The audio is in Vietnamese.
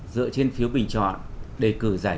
dựa trên phiếu bình chọn đề cử giải